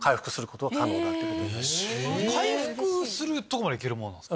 回復するとこまで行けるもんなんですか？